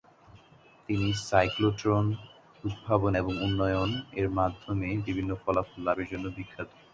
তিনি সাইক্লোট্রন উদ্ভাবন এবং উন্নয়ন, এর মাধ্যমে বিভিন্ন ফলাফল লাভের জন্য বিখ্যাত।